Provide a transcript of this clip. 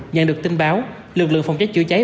nhận được tin báo lực lượng phòng cháy chữa cháy